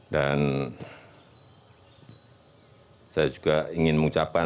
dan saya juga ingin mengucapkan